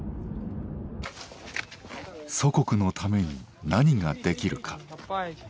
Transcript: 「祖国のために何ができるか？」。